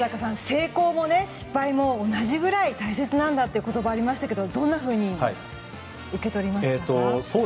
成功も失敗も同じぐらい大切なんだという言葉がありましたけどどんなふうに受け取りましたか？